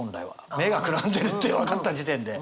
目が眩んでるって分かった時点で。